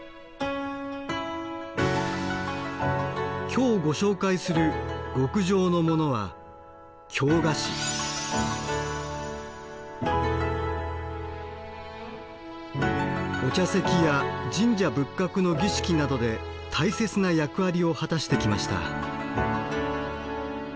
今日ご紹介する極上のモノはお茶席や神社仏閣の儀式などで大切な役割を果たしてきました。